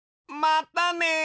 またね！